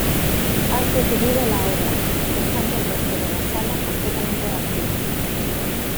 Haz de tu vida la obra", dejando el resto de las sala completamente vacía.